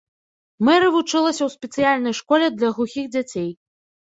Мэры вучылася ў спецыяльнай школе для глухіх дзяцей.